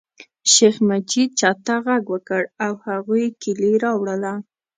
شیخ مجید چاته غږ وکړ او هغوی کیلي راوړله.